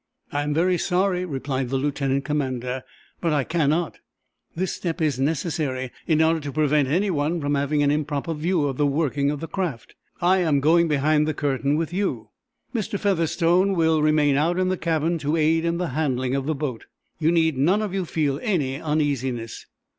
"I am very sorry," replied the lieutenant commander, "but I cannot. This step is necessary, in order to prevent anyone from having an improper view of the working of the craft. I am going behind the curtain with you. Mr. Featherstone will remain out in the cabin to aid in the handling of the boat. You need none of you feel any uneasiness."